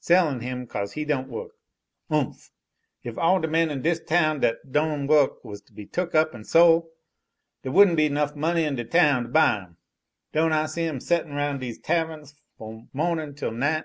Sellin' him 'ca'se he don' wuk! Umph! if all de men in dis town dat don' wuk wuz to be tuk up en sole, d' wouldn' be 'nough money in de town to buy em! Don' I see 'em settin' 'roun' dese taverns f'om mohnin' till night?"